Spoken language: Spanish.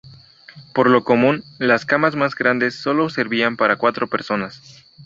Por lo común, las camas más grandes solo servían para cuatro personas.